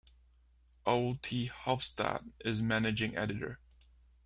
Ole T. Hofstad is managing editor.